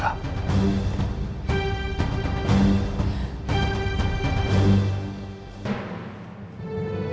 jangan lupa kak